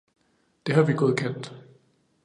Det har vi godkendt.